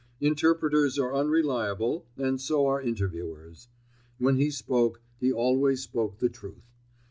Interpreters are unreliable and so are interviewers. When he spoke, he always spoke the truth.